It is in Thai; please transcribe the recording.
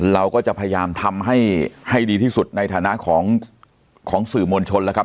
เราก็จะพยายามทำให้ให้ดีที่สุดในฐานะของสื่อมวลชนแล้วครับ